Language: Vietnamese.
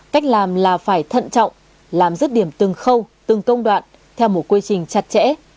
cách làm là phải thận trọng làm dứt điểm từng khâu từng công đoạn theo một quy trình chặt chẽ